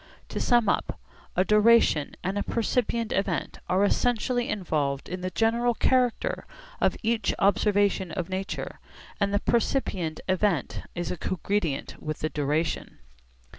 To sum up, a duration and a percipient event are essentially involved in the general character of each observation of nature, and the percipient event is cogredient with the duration.